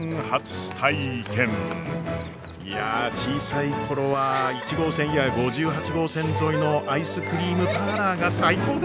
いや小さい頃は１号線や５８号線沿いのアイスクリームパーラーが最高でした！